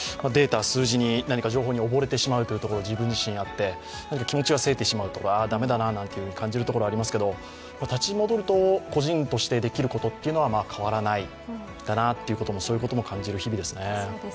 データ、数字に、情報におぼれてしまうところが自分自身、あって気持ちがせいてしまうとかああだめだなと感じるところがありますけれども、立ち戻ると、個人としてできることは変わらないんだなと、そういうことも感じる日々ですね。